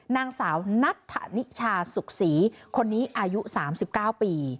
นางสาวนัทธนิชาสุขศรีคนนี้อายุ๓๙ปี